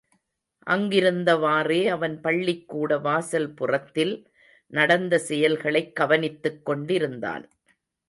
அங்கிருந்தவாறே அவன் பள்ளிக்கூட வாசல் புறத்தில் நடந்த செயல்களைக் கவனித்துக் கொண்டிருந்தான்.